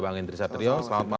bang indri saterio